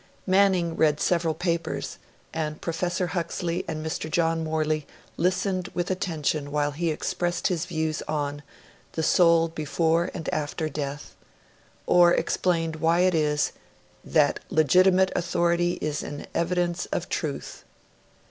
Manning read several papers, and Professor Huxley and Mr. John Morley listened with attention while he expressed his views upon 'The Soul before and after Death', or explained why it is 'That legitimate Authority is an Evidence of Truth'.